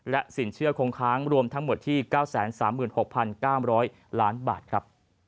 สินเชื่อคงค้างรวมทั้งหมดที่๙๓๖๙๐๐ล้านบาทครับ